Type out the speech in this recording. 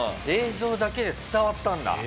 映像だけで伝わったんだ。